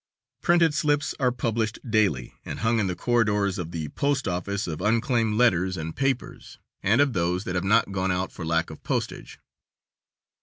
Printed slips are published daily, and hung in the corridors of the post office, of unclaimed letters and papers, and of those that have not gone out for lack of postage.